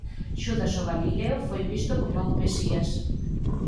Xudas o Galileo foi visto como un mesías.